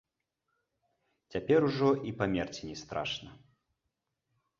Цяпер ужо і памерці не страшна.